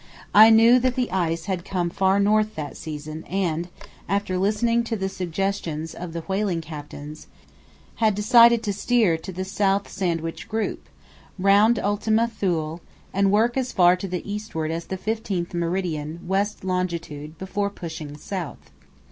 I knew that the ice had come far north that season and, after listening to the suggestions of the whaling captains, had decided to steer to the South Sandwich Group, round Ultima Thule, and work as far to the eastward as the fifteenth meridian west longitude before pushing south.